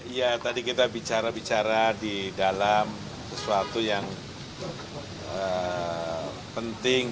iya tadi kita bicara bicara di dalam sesuatu yang penting